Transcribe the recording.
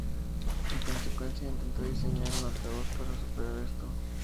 En consecuencia, intentó diseñar un altavoz para superar esto.